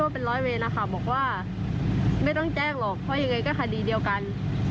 เพราะยังไงก็คดีเดียวกัน